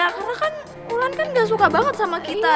karena kan mulan nggak suka banget sama kita